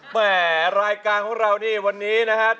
แม่รายการของเรานี่วันนี้นะครับ